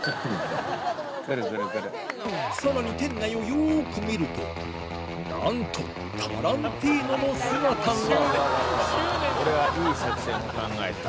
さらに店内をよく見るとなんとタランティーノの姿が！